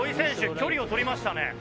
距離を取りましたね。